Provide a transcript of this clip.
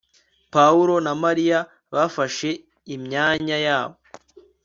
pawulo na mariya bafashe imyanya yabo